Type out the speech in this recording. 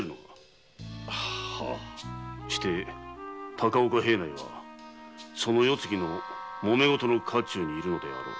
高岡平内は世継ぎのもめ事の渦中にいるのであろう。